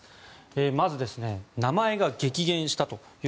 まず、名前が激減した。